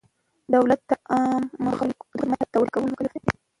دولت د عامه خدمت د وړاندې کولو مکلف دی.